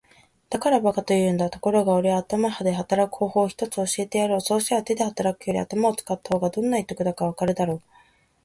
「だから馬鹿と言うんだ。ところがおれは頭で働く方法を一つ教えてやろう。そうすりゃ手で働くより頭を使った方がどんなに得だかわかるだろう。」